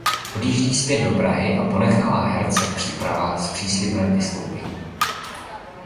Odjíždí zpět do Prahy a ponechává herce v přípravách s příslibem vystoupení.